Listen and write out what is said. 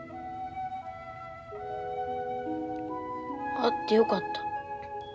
会ってよかった。